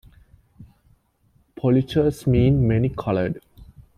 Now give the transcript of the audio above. "Polychrus" means "many colored".